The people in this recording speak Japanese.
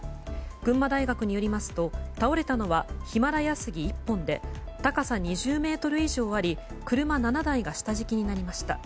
群馬大学によりますと倒れたのはヒマラヤスギ１本で高さ２０ｍ以上あり車７台が下敷きになりました。